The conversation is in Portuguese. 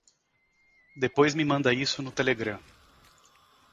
Depois me manda isso no Telegram.